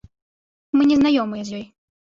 Мы не знаёмыя з ёй.